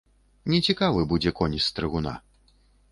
Нецікавы будзе конь з стрыгуна.